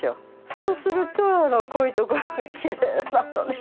そうするとこういうところがきれいなのね。